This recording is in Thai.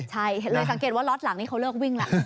ใช่เห็นเลยสังเกตว่าล็อตหลังนี้เขาเลิกวิ่งแล้ว